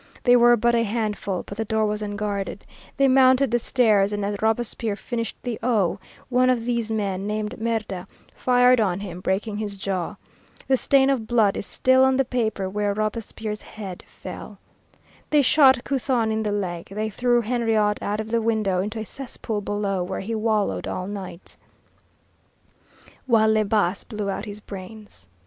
They were but a handful, but the door was unguarded. They mounted the stairs and as Robespierre finished the "o", one of these men, named Merda, fired on him, breaking his jaw. The stain of blood is still on the paper where Robespierre's head fell. They shot Couthon in the leg, they threw Henriot out of the window into a cesspool below where he wallowed all night, while Le Bas blew out his brains.